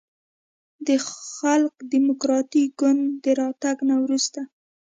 د خلق دیموکراتیک ګوند د راتګ نه وروسته